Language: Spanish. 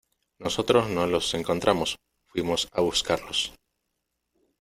nosotros no los encontramos, fuimos a buscarlos.